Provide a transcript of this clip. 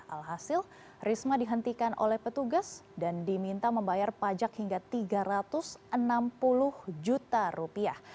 alhasil risma dihentikan oleh petugas dan diminta membayar pajak hingga tiga ratus enam puluh juta rupiah